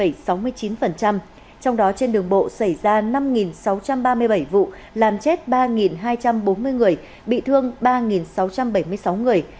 trong đó trên đường bộ xảy ra năm sáu trăm ba mươi bảy vụ làm chết ba hai trăm bốn mươi người bị thương ba sáu trăm bảy mươi sáu người